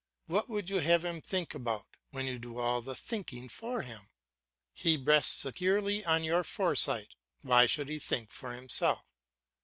What would you have him think about, when you do all the thinking for him? He rests securely on your foresight, why should he think for himself?